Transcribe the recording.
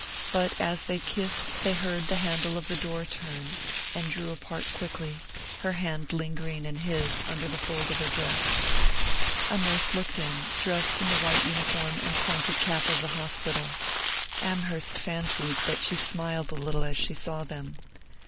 But as they kissed they heard the handle of the door turn, and drew apart quickly, her hand lingering in his under the fold of her dress. A nurse looked in, dressed in the white uniform and pointed cap of the hospital. Amherst fancied that she smiled a little as she saw them.